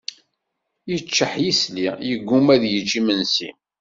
Yeččeḥ yisli, yegguma ad yečč imensi.